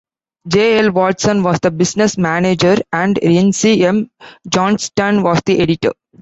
J. L. Watson was the business manager and Rienzi M. Johnston was the editor.